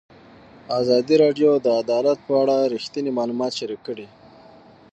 ازادي راډیو د عدالت په اړه رښتیني معلومات شریک کړي.